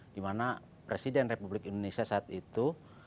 dimana presiden republik indonesia saat itu